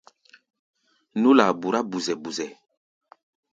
Nú-laa burá buzɛ-buzɛ.